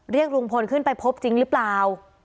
ลุงพลขึ้นไปพบจริงหรือเปล่า